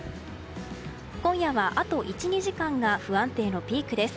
今夜はあと１２時間が不安定のピークです。